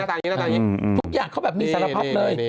ทุกอย่างเขาแบบมีสารเหาะเลย